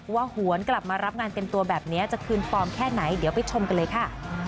หวนกลับมารับงานเต็มตัวแบบนี้จะคืนฟอร์มแค่ไหนเดี๋ยวไปชมกันเลยค่ะ